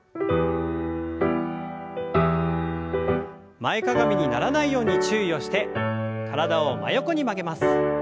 前かがみにならないように注意をして体を真横に曲げます。